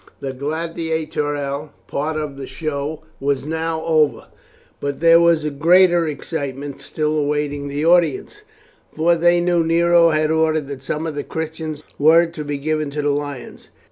The gladiatorial part of the show was now over, but there was greater excitement still awaiting the audience, for they knew Nero had ordered that some of the Christians were to be given to the lions.